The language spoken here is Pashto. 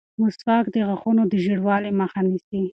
مسواک د غاښونو د ژېړوالي مخه نیسي.